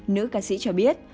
nữ ca sĩ cho biết